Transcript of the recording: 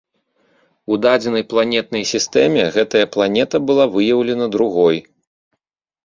У дадзенай планетнай сістэме гэтая планета была выяўлена другой.